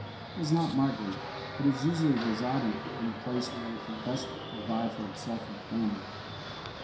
Does not migrate, but is usually resident in the place where it can best provide for itself and family.